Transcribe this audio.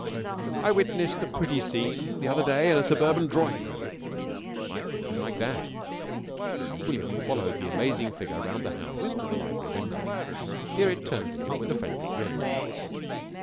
"I witnessed a pretty scene the other day in a suburban drawing room...." It might begin like that. William followed the amazing figure round the house again to the library window. Here it turned to him with a friendly grin.